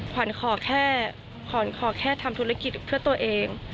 ขวัญขอแค่ทำธุรกิจเพื่อตัวเอง